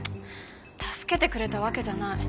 助けてくれたわけじゃない。